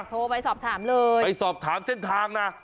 โทรไปสอบถามเลยไปสอบถามเส้นทางนะ